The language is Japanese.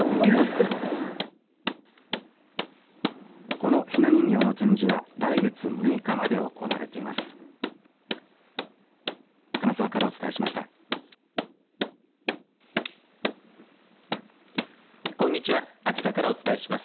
このひな人形の展示は来月６日まで行われています。